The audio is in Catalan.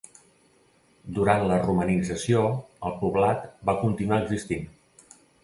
Durant la romanització, el poblat va continuar existint.